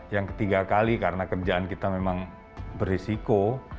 yang ketiga kali karena kerjaan kita memang berisiko